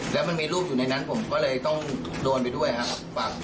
แล้วมันมีรูปอยู่ในนั้นผมก็เลยต้องโดนไปด้วยครับ